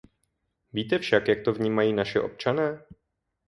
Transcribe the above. Víte však, jak to vnímají naši občané?